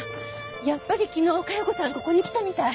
やっぱり昨日加代子さんここに来たみたい。